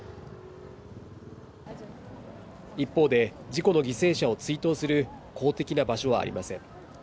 一方で、事故の犠牲者を追悼する公的な場所はありません。